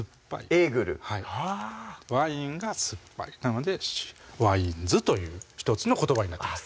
エーグルはぁワインが酸っぱいなのでワイン酢という１つの言葉になってます